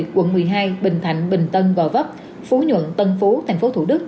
quận một mươi hai bình thạnh bình tân gò vấp phú nhuận tân phú tp thủ đức